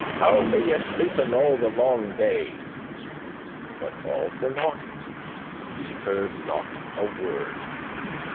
How may ye sleepen all the longe day?" But all for nought, he hearde not a word.